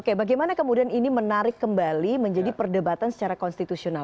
oke bagaimana kemudian ini menarik kembali menjadi perdebatan secara konstitusional